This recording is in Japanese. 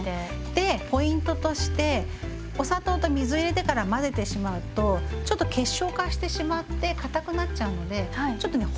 でポイントとしてお砂糖と水を入れてから混ぜてしまうとちょっと結晶化してしまってかたくなっちゃうのでちょっとね